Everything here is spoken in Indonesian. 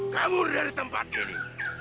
kamu dari tempat ini